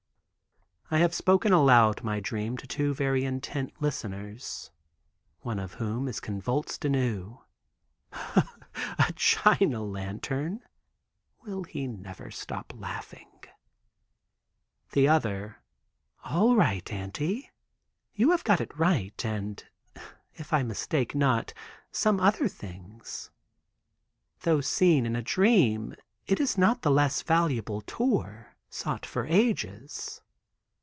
I have spoken aloud my dream, to two very intent listeners, one of whom is convulsed anew. "A China lantern"—will he never stop laughing. The other, "all right, auntie. You have got it right, and, if I mistake not, some other things. Though seen in a dream, it is not the less valuable tour, sought for ages.